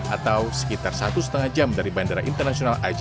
atau sekitar satu lima jam dari bandara internasional aji